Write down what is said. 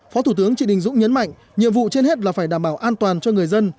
phó thủ tướng trịnh đình dũng nhấn mạnh nhiệm vụ trên hết là phải đảm bảo an toàn cho người dân